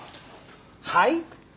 はい？